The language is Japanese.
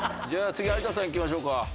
次有田さんいきましょうか。